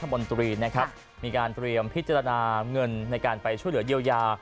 บนตรีนะครับมีการเตรียมพิจารณาเงินในการไปช่วยเหลือเยียวยา